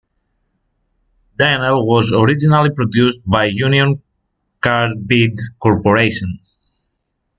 Dynel was originally produced by Union Carbide corporation.